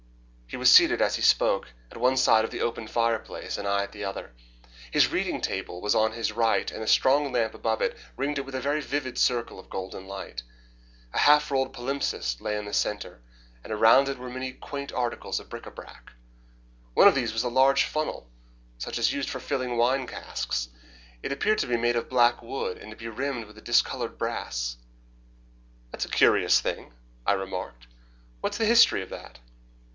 He was seated as he spoke at one side of the open fire place, and I at the other. His reading table was on his right, and the strong lamp above it ringed it with a very vivid circle of golden light. A half rolled palimpsest lay in the centre, and around it were many quaint articles of bric a brac. One of these was a large funnel, such as is used for filling wine casks. It appeared to be made of black wood, and to be rimmed with discoloured brass. "That is a curious thing," I remarked. "What is the history of that?"